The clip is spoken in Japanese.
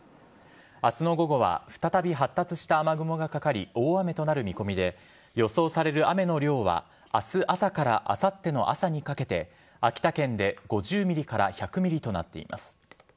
あすの午後は、再び発達した雨雲がかかり大雨となる見込みで、予想される雨の量は、あす朝からあさっての朝にかけて、秋田県で５０ミリから１００ミリとなっています。